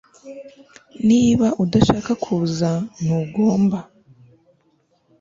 Niba udashaka kuza ntugomba